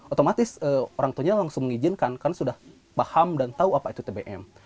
otomatis orang tuanya langsung mengizinkan karena sudah paham dan tahu apa itu tbm